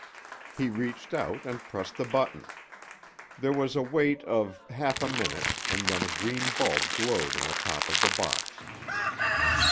He reached out and pressed the button. There was a wait of half a minute, and then a green bulb glowed in the top of the box.